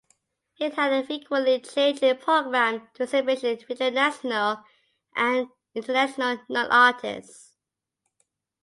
It had a frequently changing programme of exhibition featuring national and international known artists.